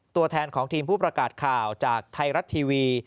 ตัวแทนของทีมผู้ประกาศข่าวจากไทยรัฐทีวี